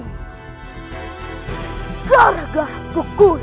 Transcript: untuk menjadi juri